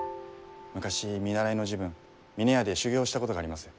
昔見習いの時分峰屋で修業したことがあります。